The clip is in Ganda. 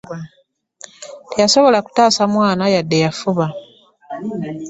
Teyasobola kutaasa mwana wadde yafuba.